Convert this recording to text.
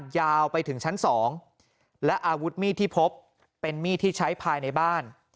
ยาวไปถึงชั้น๒และอาวุธมีดที่พบเป็นมีดที่ใช้ภายในบ้าน